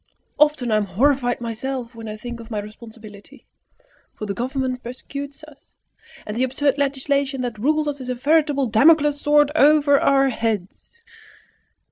Often I am horrified myself when I think of my responsibility; for the Government persecutes us, and the absurd legislation that rules us is a veritable Damocles' sword over our heads."